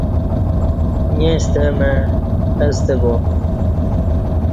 ییں ستہ مع استہ با